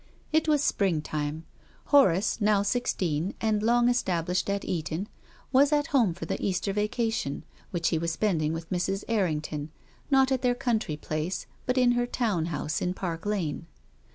It was spring time. Horace, now sixteen, and long established at Eton, was at home for the Easter vacation, which he was spending with Mrs. Errington, not at their country place, but in her town house in Park Lane.